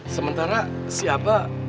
sementara si abah